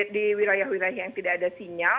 di wilayah wilayah yang tidak ada sinyal